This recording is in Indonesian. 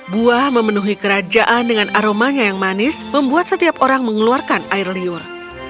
buah memenuhi kerajaan dengan aromanya yang manis membuat setiap orang mengeluarkan air liur